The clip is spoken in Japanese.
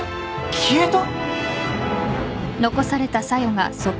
消えた？